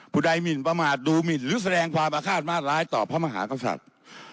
ผู้ใดหมินประมาทดูหมินหรือแสดงความอาฆาตมาตร้ายต่อพระมหากษัตริย์